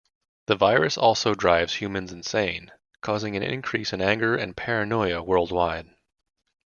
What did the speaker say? The virus also drives humans insane, causing an increase in anger and paranoia worldwide.